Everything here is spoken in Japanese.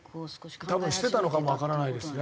多分してたのかもわからないですね。